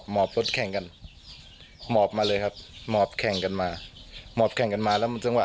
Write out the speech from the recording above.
มันจะมีบึงรางเขาลอยอยู่